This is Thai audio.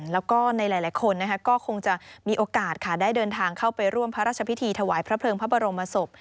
แล้วก็ในหลายคนก็คงจะมีโอกาสค่ะได้เดินทางเข้าไปร่วมพระราชพิธีถวายพระเพลิงพระบรมศพ